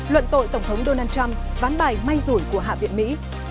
luận tội tổng thống donald trump ván bài may rủi của hạ viện mỹ